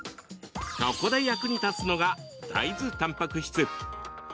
ここで役に立つのが大豆たんぱく質。